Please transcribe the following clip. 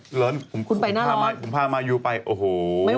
คุณไปหน้าร้อนไม่ไหวไม่มีความสุขนี่โอ้โฮคุณพามายูไปโอ้โฮ